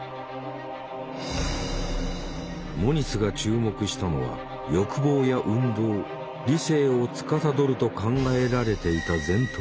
モニスが注目したのは欲望や運動理性をつかさどると考えられていた前頭葉。